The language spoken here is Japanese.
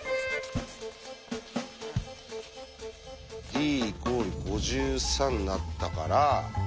ｄ＝５３になったから。